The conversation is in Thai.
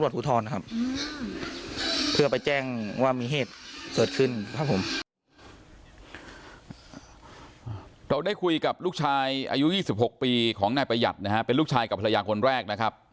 เราได้คุยกับลูกชายอายุ๒๖ปีของนายประหยัดเป็นลูกชายกับภรรยากคนแรก